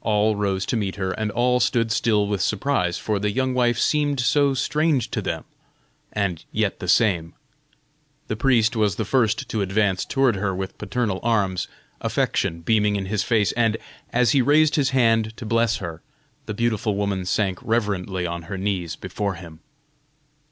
All rose to meet her and all stood still with surprise, for the young wife seemed so strange to them and yet the same. The priest was the first to advance toward her with paternal arms affection beaming in his face, and, as he raised his hand to bless her, the beautiful woman sank reverently on her knees before him.